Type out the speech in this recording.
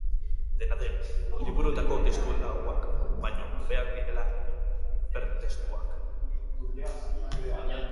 Dena den, liburuetako testu lauak baino hobeak direla hipertestuak.